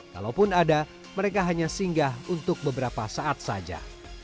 kalaupun ada mereka hanya singgah untuk beberapa saat saja